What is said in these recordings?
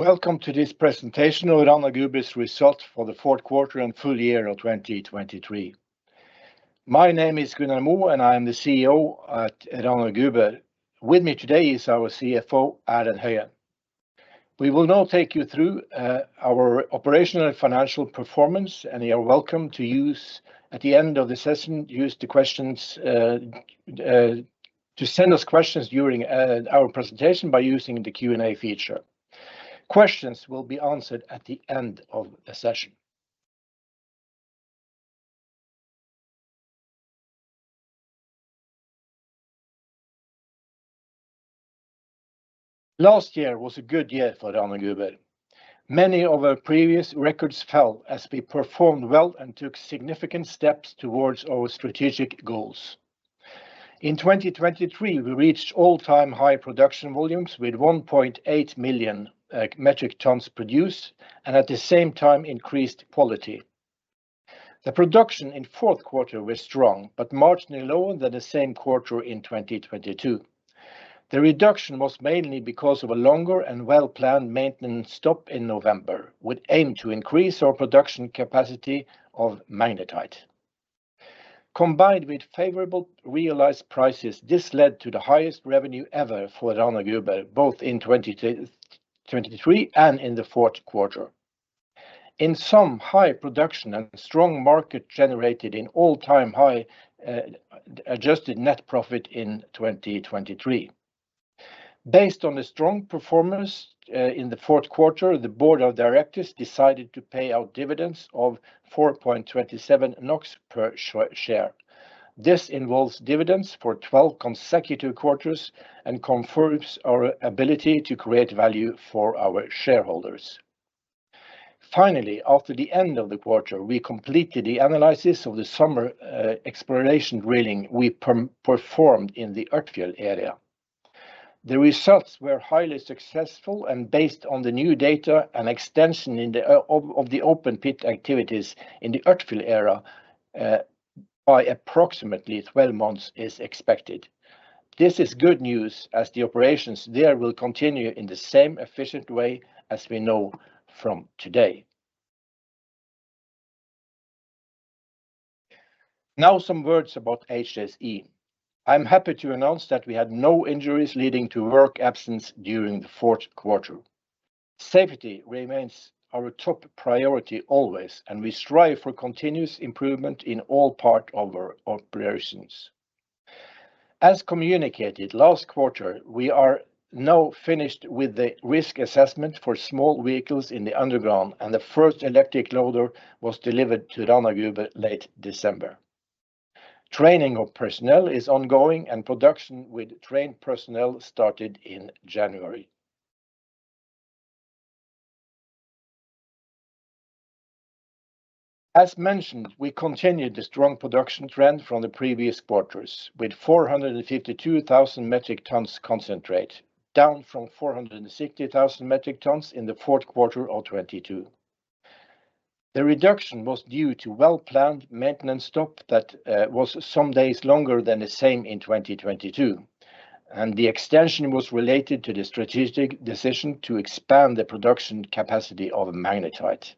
Welcome to this presentation on Rana Gruber's results for the fourth quarter and full year of 2023. My name is Gunnar Moe, and I am the CEO at Rana Gruber. With me today is our CFO, Erlend Høyen. We will now take you through our operational and financial performance, and you are welcome to send us questions during our presentation by using the Q&A feature. Questions will be answered at the end of the session. Last year was a good year for Rana Gruber. Many of our previous records fell as we performed well and took significant steps towards our strategic goals. In 2023, we reached all-time high production volumes with 1.8 million metric tons produced and at the same time increased quality. The production in fourth quarter was strong but marginally lower than the same quarter in 2022. The reduction was mainly because of a longer and well-planned maintenance stop in November with aim to increase our production capacity of magnetite. Combined with favorable realized prices, this led to the highest revenue ever for Rana Gruber both in 2023 and in the fourth quarter. In sum, high production and strong market generated an all-time high adjusted net profit in 2023. Based on the strong performance in the fourth quarter, the board of directors decided to pay out dividends of 4.27 NOK per share. This involves dividends for 12 consecutive quarters and confirms our ability to create value for our shareholders. Finally, after the end of the quarter, we completed the analysis of the summer exploration drilling we performed in the Ørtfjell area. The results were highly successful and based on the new data and extension of the open pit activities in the Ørtfjell area by approximately 12 months is expected. This is good news as the operations there will continue in the same efficient way as we know from today. Now some words about HSE. I'm happy to announce that we had no injuries leading to work absence during the fourth quarter. Safety remains our top priority always, and we strive for continuous improvement in all parts of our operations. As communicated last quarter, we are now finished with the risk assessment for small vehicles in the underground, and the first electric loader was delivered to Rana Gruber late December. Training of personnel is ongoing, and production with trained personnel started in January. As mentioned, we continue the strong production trend from the previous quarters with 452,000 metric tons concentrate, down from 460,000 metric tons in the fourth quarter of 2022. The reduction was due to well-planned maintenance stop that was some days longer than the same in 2022, and the extension was related to the strategic decision to expand the production capacity of Magnetite.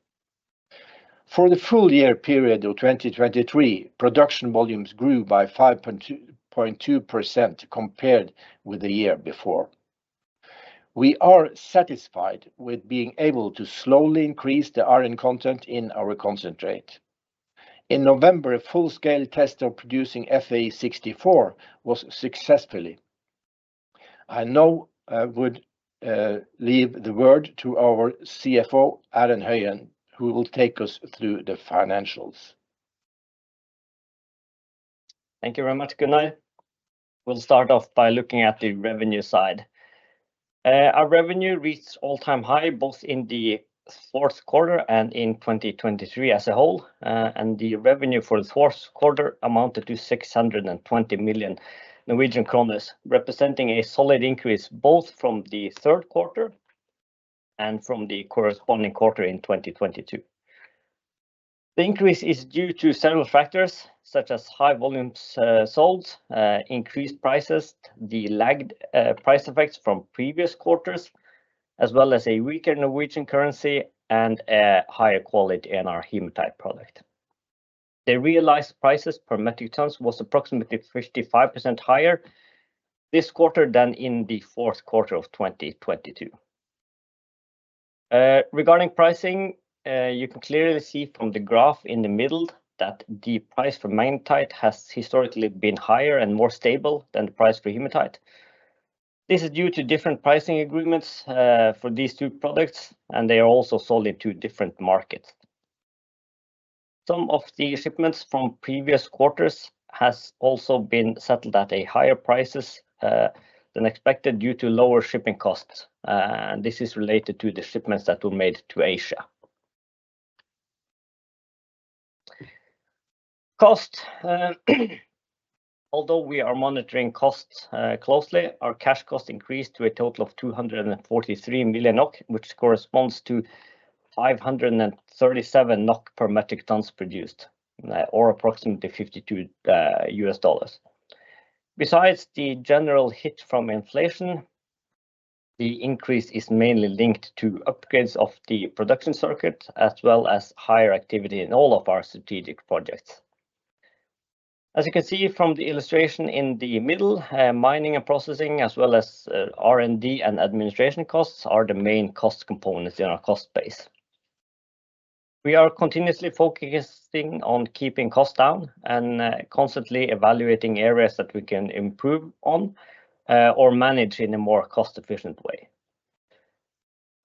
For the full year period of 2023, production volumes grew by 5.2% compared with the year before. We are satisfied with being able to slowly increase the iron content in our concentrate. In November, a full-scale test of producing Fe64 was successful. I now would leave the word to our CFO, Erlend Høyen, who will take us through the financials. Thank you very much, Gunnar. We'll start off by looking at the revenue side. Our revenue reached all-time high both in the fourth quarter and in 2023 as a whole, and the revenue for the fourth quarter amounted to 620 million Norwegian kroner, representing a solid increase both from the third quarter and from the corresponding quarter in 2022. The increase is due to several factors such as high volumes sold, increased prices, the lagged price effects from previous quarters, as well as a weaker Norwegian currency and a higher quality in our Hematite product. The realized prices per metric tons were approximately 55% higher this quarter than in the fourth quarter of 2022. Regarding pricing, you can clearly see from the graph in the middle that the price for Magnetite has historically been higher and more stable than the price for Hematite. This is due to different pricing agreements for these two products, and they are also sold in two different markets. Some of the shipments from previous quarters have also been settled at higher prices than expected due to lower shipping costs, and this is related to the shipments that were made to Asia. Cost. Although we are monitoring costs closely, our cash cost increased to a total of 243 million NOK, which corresponds to 537 NOK per metric tons produced, or approximately $52. Besides the general hit from inflation, the increase is mainly linked to upgrades of the production circuit as well as higher activity in all of our strategic projects. As you can see from the illustration in the middle, mining and processing as well as R&D and administration costs are the main cost components in our cost base. We are continuously focusing on keeping costs down and constantly evaluating areas that we can improve on or manage in a more cost-efficient way.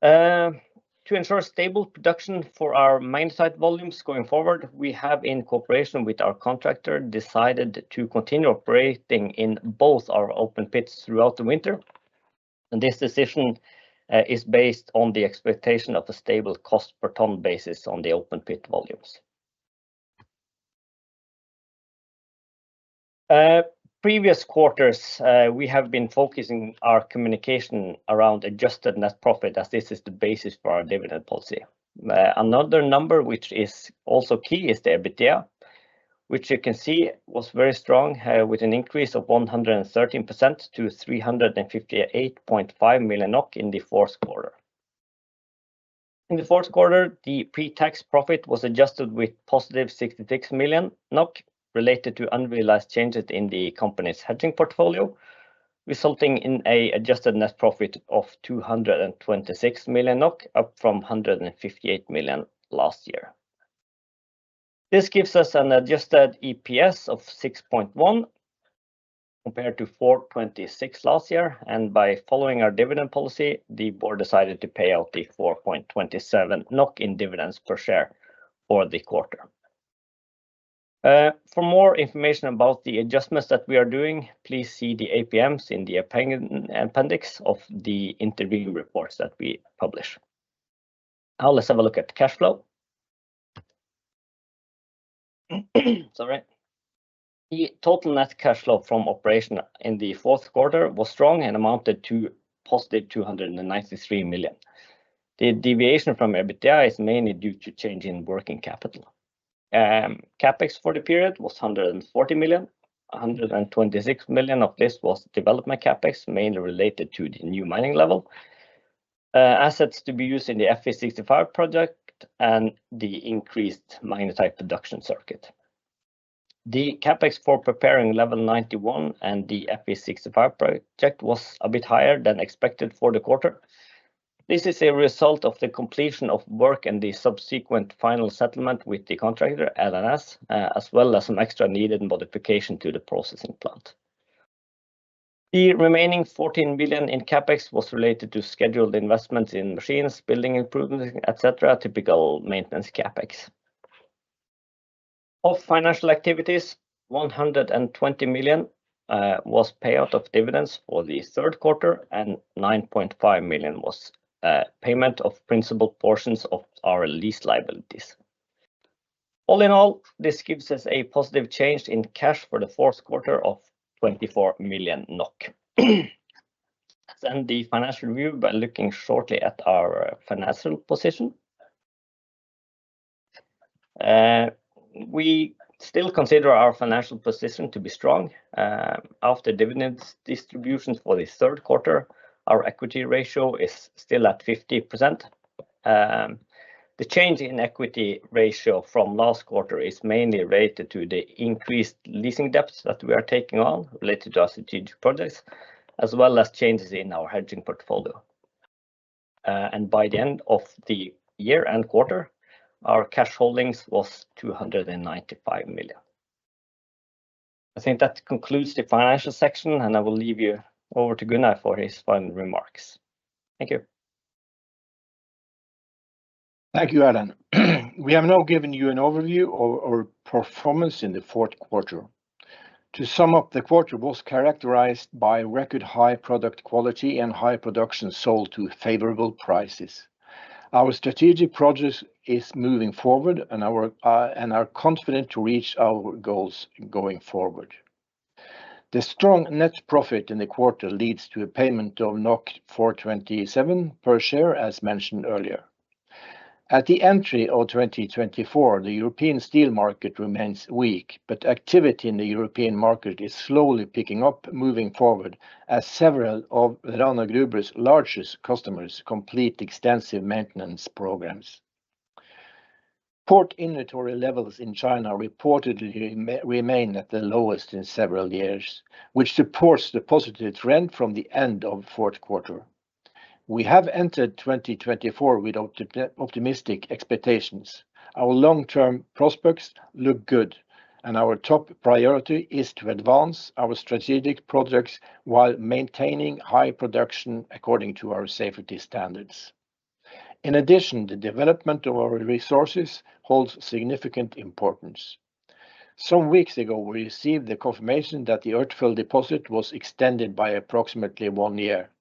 To ensure stable production for our Magnetite volumes going forward, we have, in cooperation with our contractor, decided to continue operating in both our open pits throughout the winter. This decision is based on the expectation of a stable cost per ton basis on the open pit volumes. Previous quarters, we have been focusing our communication around adjusted net profit as this is the basis for our dividend policy. Another number which is also key is the EBITDA, which you can see was very strong with an increase of 113% to 358.5 million NOK in the fourth quarter. In the fourth quarter, the pre-tax profit was adjusted with positive 66 million NOK related to unrealized changes in the company's hedging portfolio, resulting in an adjusted net profit of 226 million NOK, up from 158 million last year. This gives us an adjusted EPS of 6.1 compared to 426 last year, and by following our dividend policy, the board decided to pay out 4.27 NOK in dividends per share for the quarter. For more information about the adjustments that we are doing, please see the APMs in the appendix of the interview reports that we publish. Now let's have a look at cash flow. Sorry. The total net cash flow from operation in the fourth quarter was strong and amounted to positive 293 million. The deviation from EBITDA is mainly due to change in working capital. CapEx for the period was 140 million. 126 million of this was development CapEx, mainly related to the new mining level, assets to be used in the Fe65 project, and the increased Magnetite production circuit. The CapEx for preparing Level 91 and the Fe65 project was a bit higher than expected for the quarter. This is a result of the completion of work and the subsequent final settlement with the contractor, LNS, as well as some extra needed modification to the processing plant. The remaining 14 million in CapEx was related to scheduled investments in machines, building improvements, etc., typical maintenance CapEx. Of financial activities, 120 million was payout of dividends for the third quarter, and 9.5 million was payment of principal portions of our lease liabilities. All in all, this gives us a positive change in cash for the fourth quarter of 24 million NOK. Send the financial review by looking shortly at our financial position. We still consider our financial position to be strong. After dividends distributions for the third quarter, our equity ratio is still at 50%. The change in equity ratio from last quarter is mainly related to the increased leasing debts that we are taking on related to our strategic projects, as well as changes in our hedging portfolio. By the end of the year and quarter, our cash holdings were 295 million. I think that concludes the financial section, and I will leave you over to Gunnar for his final remarks. Thank you. Thank you, Erlend. We have now given you an overview of our performance in the fourth quarter. To sum up, the quarter was characterized by record high product quality and high production sold to favorable prices. Our strategic project is moving forward, and we are confident to reach our goals going forward. The strong net profit in the quarter leads to a payment of 427 per share, as mentioned earlier. At the entry of 2024, the European steel market remains weak, but activity in the European market is slowly picking up moving forward as several of Rana Gruber's largest customers complete extensive maintenance programs. Port inventory levels in China reportedly remain at the lowest in several years, which supports the positive trend from the end of the fourth quarter. We have entered 2024 with optimistic expectations. Our long-term prospects look good, and our top priority is to advance our strategic projects while maintaining high production according to our safety standards. In addition, the development of our resources holds significant importance. Some weeks ago, we received the confirmation that the Ørtfjell deposit was extended by approximately one year.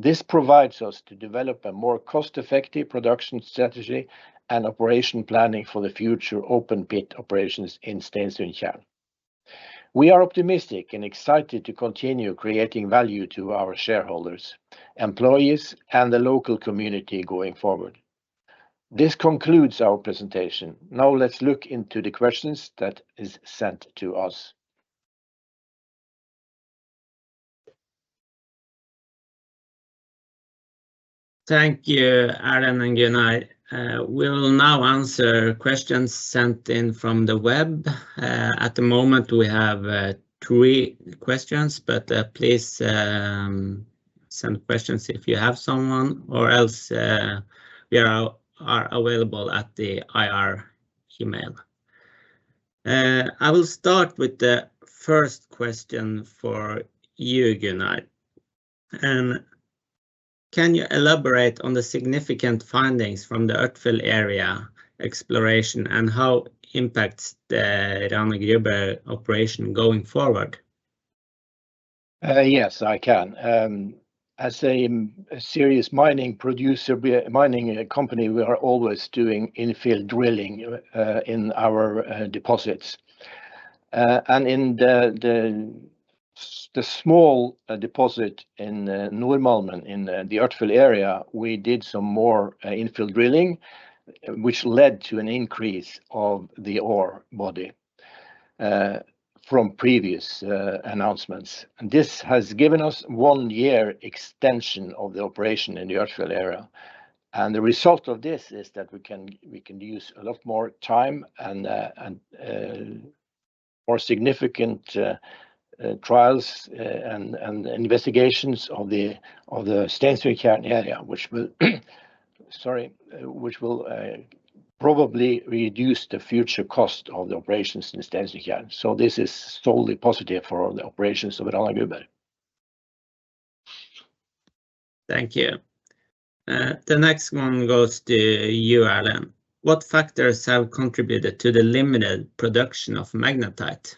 This provides us to develop a more cost-effective production strategy and operation planning for the future open pit operations in Steinsundtjern. We are optimistic and excited to continue creating value to our shareholders, employees, and the local community going forward. This concludes our presentation. Now let's look into the questions that are sent to us. Thank you, Erlend and Gunnar. We will now answer questions sent in from the web. At the moment, we have three questions, but please send questions if you have someone, or else we are available at the IR email. I will start with the first question for you, Gunnar. Can you elaborate on the significant findings from the Ørtfjell area exploration and how it impacts the Rana Gruber operation going forward? Yes, I can. As a serious mining company, we are always doing infield drilling in our deposits. In the small deposit in Nordmalmen, in the Ørtfjell area, we did some more infield drilling, which led to an increase of the ore body from previous announcements. This has given us one year extension of the operation in the Ørtfjell area. The result of this is that we can use a lot more time and more significant trials and investigations of the Steinsundtjern area, which will probably reduce the future cost of the operations in Steinsundtjern. This is solely positive for the operations of Rana Gruber. Thank you. The next one goes to you, Erlend. What factors have contributed to the limited production of Magnetite?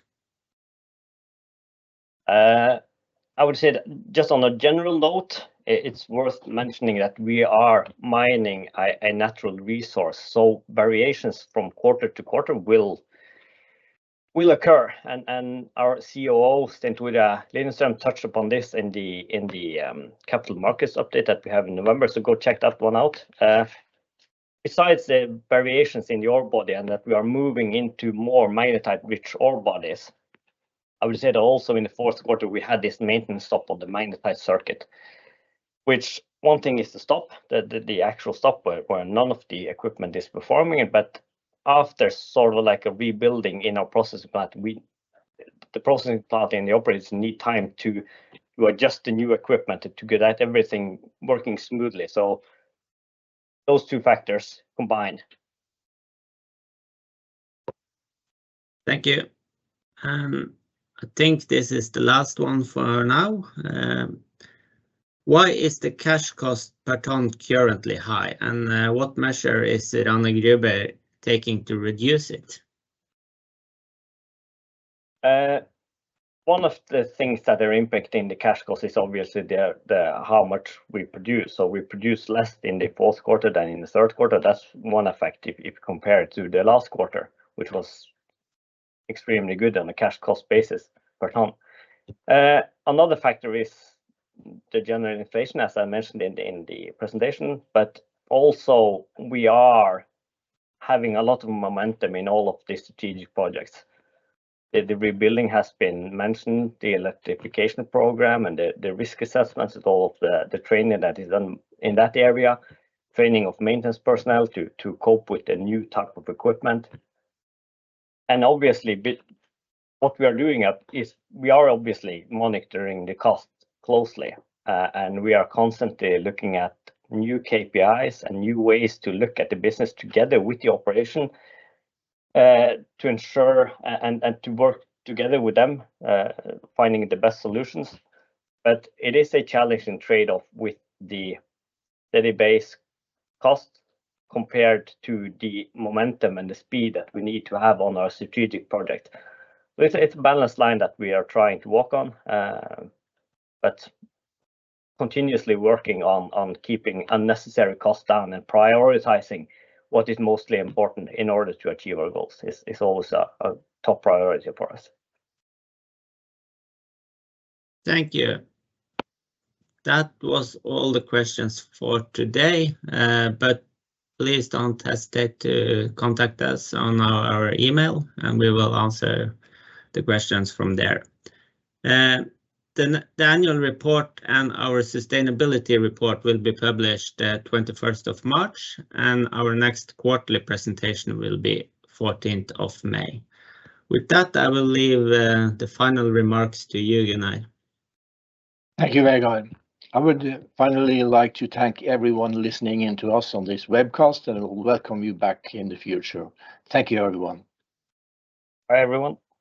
I would say just on a general note, it's worth mentioning that we are mining a natural resource, so variations from quarter to quarter will occur. Our COO, Stein-Tore Liljenström, touched upon this in the capital markets update that we have in November, so go check that one out. Besides the variations in the ore body and that we are moving into more magnetite-rich ore bodies, I would say that also in the fourth quarter we had this maintenance stop on the magnetite circuit, which one thing is the stop, the actual stop where none of the equipment is performing, but after sort of like a rebuilding in our processing plant, the processing plant and the operators need time to adjust the new equipment to get everything working smoothly. So those two factors combined. Thank you. I think this is the last one for now. Why is the cash cost per ton currently high, and what measure is Rana Gruber taking to reduce it? One of the things that are impacting the cash cost is obviously how much we produce. So we produce less in the fourth quarter than in the third quarter. That's one effect if compared to the last quarter, which was extremely good on a cash cost basis per ton. Another factor is the general inflation, as I mentioned in the presentation, but also we are having a lot of momentum in all of these strategic projects. The rebuilding has been mentioned, the electrification program and the risk assessments with all of the training that is done in that area, training of maintenance personnel to cope with the new type of equipment. Obviously, what we are doing is we are obviously monitoring the cost closely, and we are constantly looking at new KPIs and new ways to look at the business together with the operation to ensure and to work together with them, finding the best solutions. It is a challenge and trade-off with the daily base cost compared to the momentum and the speed that we need to have on our strategic project. It's a balanced line that we are trying to walk on, but continuously working on keeping unnecessary costs down and prioritizing what is mostly important in order to achieve our goals is always a top priority for us. Thank you. That was all the questions for today, but please don't hesitate to contact us on our email, and we will answer the questions from there. The annual report and our sustainability report will be published the 21st of March, and our next quarterly presentation will be 14th of May. With that, I will leave the final remarks to you, Gunnar. Thank you very much. I would finally like to thank everyone listening in to us on this webcast, and I will welcome you back in the future. Thank you, everyone. Bye, everyone.